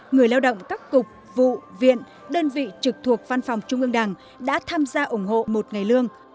người lao động các cục vụ viện đơn vị trực thuộc văn phòng trung ương đảng đã tham gia ủng hộ một ngày lương